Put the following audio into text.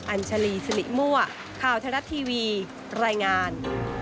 อัญชลีสิริมั่วข่าวไทยรัฐทีวีรายงาน